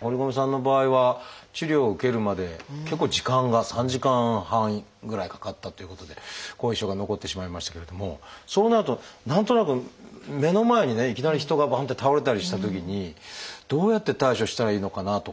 堀米さんの場合は治療を受けるまで結構時間が３時間半ぐらいかかったっていうことで後遺症が残ってしまいましたけれどもそうなると何となく目の前にねいきなり人がバンって倒れたりしたときにどうやって対処したらいいのかなとか。